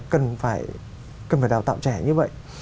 cần phải đào tạo trẻ như vậy